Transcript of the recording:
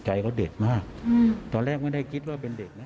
ใจเขาเด็ดมากตอนแรกไม่ได้คิดว่าเป็นเด็กนะ